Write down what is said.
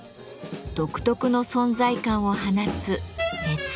独特の存在感を放つ「根付」。